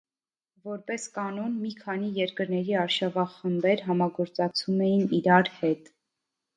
Որպես կանոն, մի քանի երկրների արշավախմբեր համագործակցում էին իրար հետ։